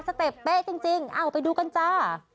เต็ปเป๊ะจริงเอาไปดูกันจ้า